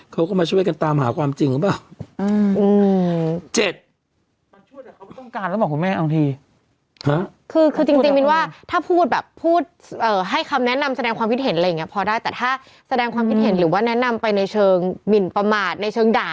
เขาก็มาช่วยกันตามหาความจริง